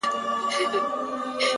د پښتنو ماحول دی دلته تهمتوته ډېر دي ـ